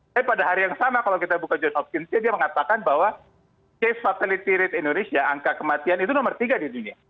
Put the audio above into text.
tapi pada hari yang sama kalau kita buka joint of intel dia mengatakan bahwa case fatality rate indonesia angka kematian itu nomor tiga di dunia